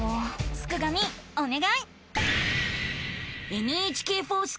すくがミおねがい！